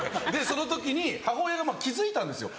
その時に母親が気付いたんですよ